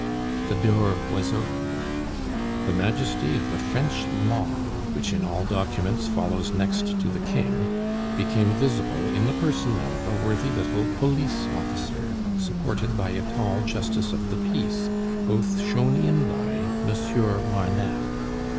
The door was opened. The Majesty of the French Law, which in all documents follows next to the King, became visible in the person of a worthy little police officer supported by a tall Justice of the Peace, both shown in by Monsieur Marneffe.